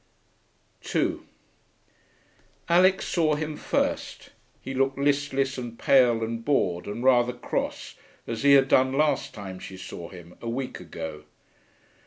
2 Alix saw him first; he looked listless and pale and bored and rather cross, as he had done last time she saw him, a week ago.